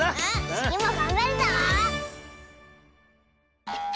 つぎもがんばるぞ！